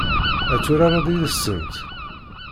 Ad turareḍ yid-sent?